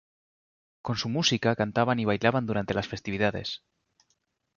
Con su música cantaban y bailaban durante las festividades.